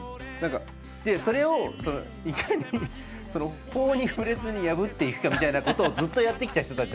でそれをいかにその法に触れずに破っていくかみたいなことをずっとやってきた人たちだから。